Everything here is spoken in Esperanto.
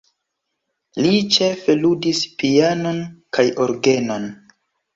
Li ĉefe ludis pianon kaj orgenon.